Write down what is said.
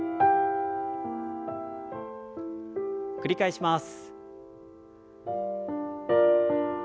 繰り返します。